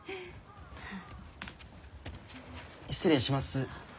失礼します。